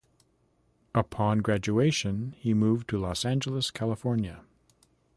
Upon graduation, he moved to Los Angeles, California.